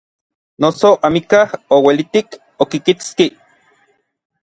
Noso amikaj ouelitik okikitskij.